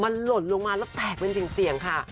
มันหล่นลงมาแล้วแตกเป็นเสี่ยงค่ะ